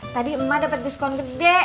tadi emak dapat diskon gede